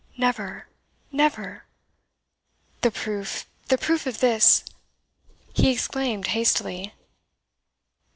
never, never. The proof the proof of this!" he exclaimed hastily.